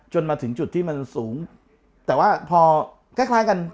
มาถึงจุดที่มันสูงแต่ว่าพอคล้ายคล้ายกัน